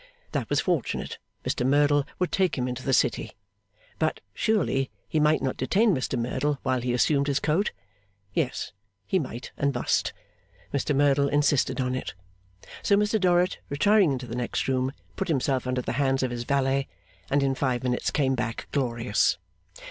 That was fortunate; Mr Merdle would take him into the City. But, surely, he might not detain Mr Merdle while he assumed his coat? Yes, he might and must; Mr Merdle insisted on it. So Mr Dorrit, retiring into the next room, put himself under the hands of his valet, and in five minutes came back glorious.